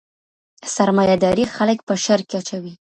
سرمایه داري خلګ په شر کي اچوي.